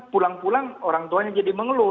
pulang pulang orang tuanya jadi mengeluh